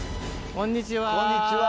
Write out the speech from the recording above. こんにちは。